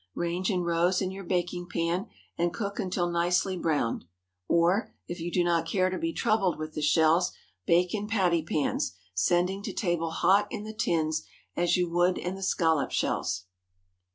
Range in rows in your baking pan, and cook until nicely browned. Or, if you do not care to be troubled with the shells, bake in patty pans, sending to table hot in the tins, as you would in the scallop shells.